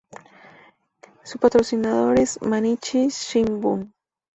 Su patrocinador es Mainichi Shimbun.